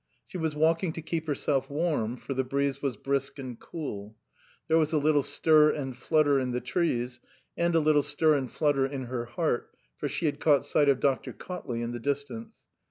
She was walking to keep herself warm, for the breeze was brisk and cool. There was a little stir and flutter in the trees and a little stir and flutter in her heart, for she had caught sight of Dr. Cautley in the distance.